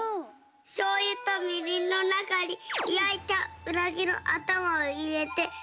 しょうゆとみりんのなかにやいたうなぎのあたまをいれてにてるの。